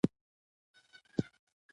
ماښام اووه بجې دي